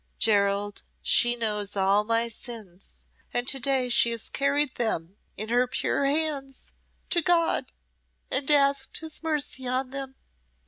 Gerald, she knows all my sins, and to day she has carried them in her pure hands to God and asked His mercy on them.